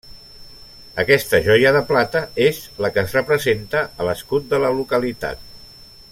Aquesta joia de plata és la que es representa a l'escut de la localitat.